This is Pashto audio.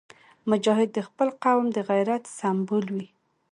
مجاهد د خپل قوم د غیرت سمبول وي.